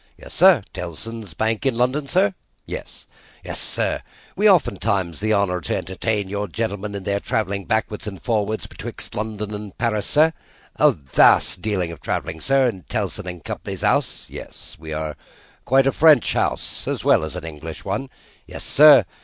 "Yes, sir. Tellson's Bank in London, sir?" "Yes." "Yes, sir. We have oftentimes the honour to entertain your gentlemen in their travelling backwards and forwards betwixt London and Paris, sir. A vast deal of travelling, sir, in Tellson and Company's House." "Yes. We are quite a French House, as well as an English one." "Yes, sir.